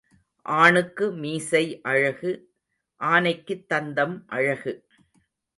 ஆணுக்கு மீசை அழகு ஆனைக்குத் தந்தம் அழகு.